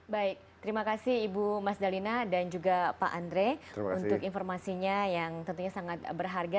baik terima kasih ibu mas dalina dan juga pak andre untuk informasinya yang tentunya sangat berharga